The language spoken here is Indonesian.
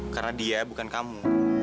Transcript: karena dia bukan kamu